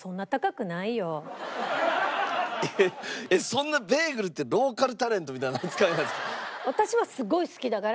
そんなベーグルってローカルタレントみたいな扱いなんですか？